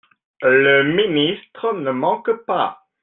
Le ministre ne manque pas